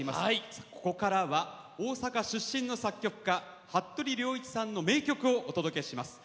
さあ、ここからは大阪出身の作曲家服部良一さんの名曲をお届けします。